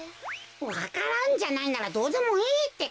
わか蘭じゃないならどうでもいいってか。